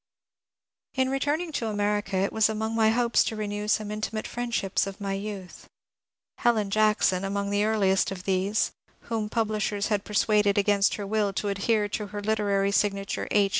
In returning to America it was among my hopes to renew some intimate friendships of my youth. Helen Jackson, among 73 the earliest of these, — whom publishers had persuaded against her will to adhere to her literary signature, ^^ H.